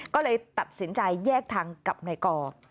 ก็เลยตัดสินใจแยกทางกับนายกอ